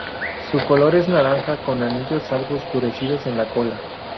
Su color es naranja, con anillos algo oscurecidos en la cola.